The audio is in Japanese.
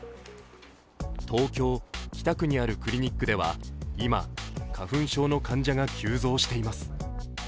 東京・北区にあるクリニックでは今、花粉症の患者が急増しています。